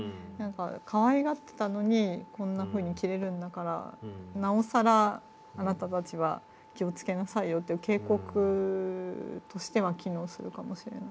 かわいがってたのにこんなふうに切れるんだからなおさらあなたたちは気を付けなさいよっていう警告としては機能するかもしれない。